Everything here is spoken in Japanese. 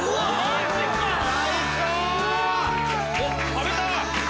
・食べた！